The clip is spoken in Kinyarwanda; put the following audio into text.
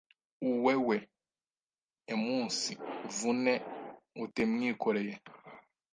uwewe eumunsivune utemwikoreye